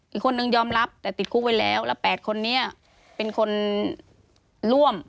อีกคนนึงยอมรับแต่ติดคุกไว้แล้วแล้ว๘คนนี้เป็นคนร่วม